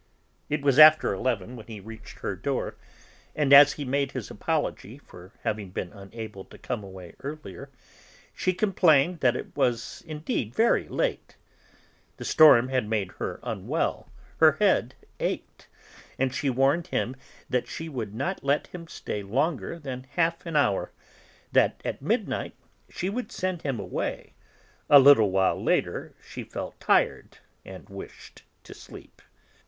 It was after eleven when he reached her door, and as he made his apology for having been unable to come away earlier, she complained that it was indeed very late; the storm had made her unwell, her head ached, and she warned him that she would not let him stay longer than half an hour, that at midnight she would send him away; a little while later she felt tired and wished to sleep.